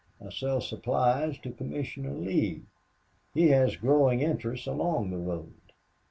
I sell supplies to Commissioner Lee. He has growing interests along the road."